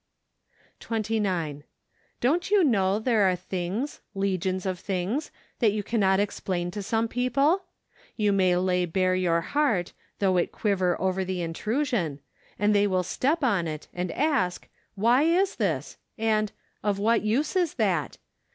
'* 29. Don't you know there are things, legions of things, that you cannot explain to some people ? You may lay bare your heart, though it quiver over the intrusion, and they will step on it. and ask :" Why is this ?" and " Of what use is that